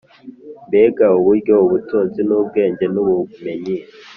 Mbega uburyo ubutunzi n ubwenge n ubumenyi